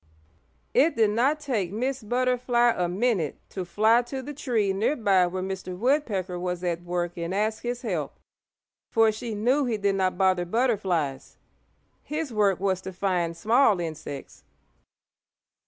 It did not take Miss Butterfly a minute to fly to the tree near by where Mr. Woodpecker was at work and ask his help, for she knew he did not bother butterflies. His work was to find small insects.